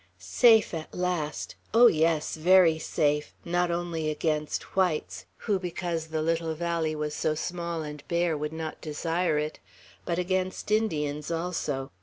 Safe at last! Oh, yes, very safe; not only against whites, who, because the little valley was so small and bare, would not desire it, but against Indians also.